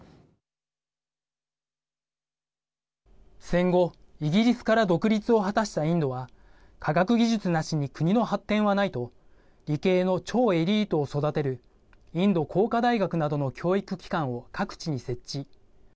戦後、イギリスから独立を果たしたインドは科学技術なしに国の発展はないと理系の超エリートを育てるインド工科大学などの教育機関を各地に設置。